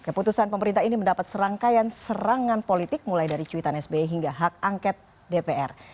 keputusan pemerintah ini mendapat serangkaian serangan politik mulai dari cuitan sbi hingga hak angket dpr